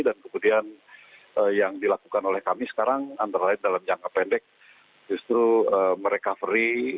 dan kemudian yang dilakukan oleh kami sekarang antara lain dalam jangka pendek justru merecovery